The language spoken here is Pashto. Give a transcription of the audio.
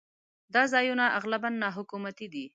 دا ځایونه اغلباً ناحکومتي وي.